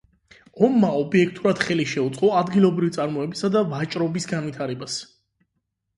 ომმა ობიექტურად ხელი შეუწყო ადგილობრივი წარმოებისა და ვაჭრობის განვითარებას.